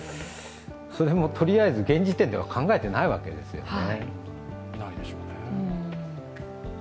その辺も、とりあえず現時点では考えてないわけですよね。